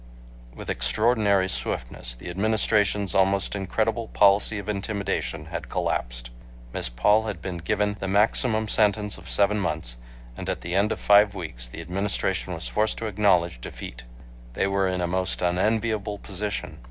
With extraordinary swiftness the Administration's almost incredible policy of intimidation had collapsed. Miss Paul had been given the maximum sentence of seven months, and at the end of five weeks the Administration was forced to acknowledge defeat. They were in a most unenviable position.